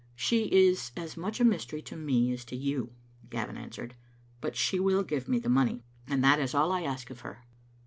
"She is as much a mystery to me as to you," Gavin answered, " but she will give me the money, and that is all I ask of her."